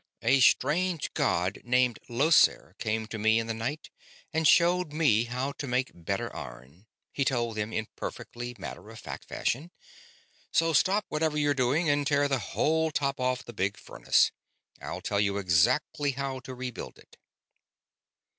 "A strange god named Llosir came to me in the night and showed me how to make better iron," he told them in perfectly matter of fact fashion, "so stop whatever you're doing and tear the whole top off of the big furnace. I'll tell you exactly how to rebuild it."